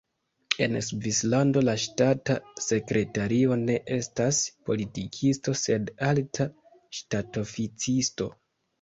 En Svislando la ŝtata sekretario ne estas politikisto, sed alta ŝtatoficisto.